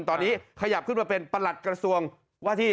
ก่อนนี้ขยับมาเป็นประหลัดกระทรวงวที่